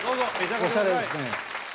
おしゃれですね。